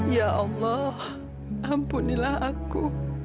ya allah ampunilah aku